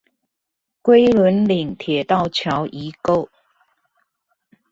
龜崙嶺鐵道橋遺構